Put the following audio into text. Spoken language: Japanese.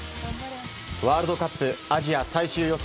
ワールドカップアジア最終予選